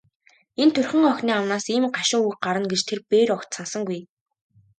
Энэ турьхан охины амнаас ийм гашуун үг гарна гэж тэр бээр огт санасангүй.